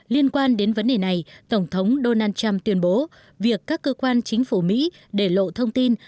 liên quan đến vấn đề này tổng thống donald trump tuyên bố việc các cơ quan chính phủ mỹ để lộ thông tin